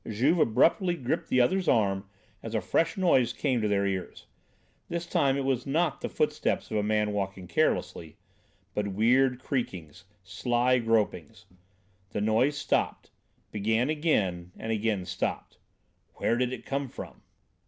Juve abruptly gripped the other's arm as a fresh noise came to their ears. This time it was not the footsteps of a man walking carelessly, but weird creakings, sly gropings. The noise stopped, began again and again stopped. Where did it come from?